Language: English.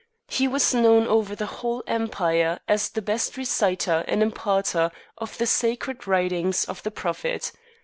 He was known over the whole Empire as the best reciter and imparter of the Sacred Writings of the Prophet.